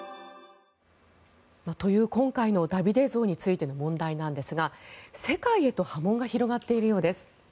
という今回のダビデ像についての問題なんですが世界へと波紋が広がっているようです。